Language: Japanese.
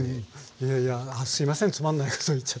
いやいやあすいませんつまんないこと言っちゃって。